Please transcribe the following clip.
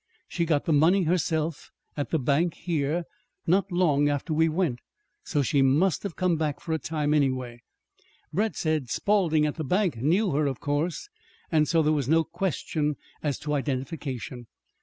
She got the money herself, at the bank here, not long after we went. So she must have come back for a time, anyway. Brett says Spawlding, at the bank, knew her, of course, and so there was no question as to identification.